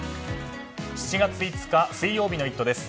７月５日水曜日の「イット！」です。